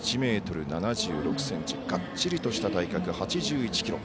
１ｍ７６ｃｍがっちりとした体格８１ｋｇ。